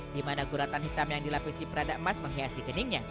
dimana guratan hitam yang dilapisi perada emas menghiasi geningnya